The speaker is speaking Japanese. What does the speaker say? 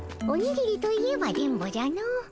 おにぎりといえば電ボじゃのう。